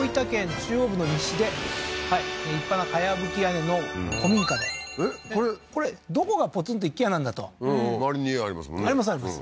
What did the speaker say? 中央部の西で立派な茅葺き屋根の古民家でえっこれこれどこがポツンと一軒家なんだとうん周りに家ありますもんねありますあります